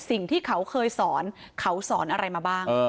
สิ่งที่เขาเคยสอนเขาสอนอะไรมาบ้าง